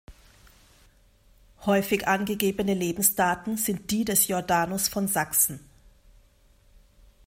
Häufig angegebene Lebensdaten sind die des Jordanus von Sachsen.